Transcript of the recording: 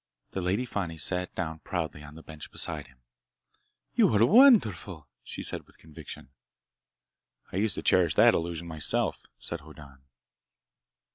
The Lady Fani sat down proudly on the bench beside him. "You are wonderful!" she said with conviction. "I used to cherish that illusion myself," said Hoddan.